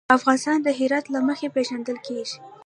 افغانستان د هرات له مخې پېژندل کېږي.